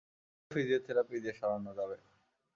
হয়তো ফিজিওথেরাপি দিয়ে সারানো যাবে।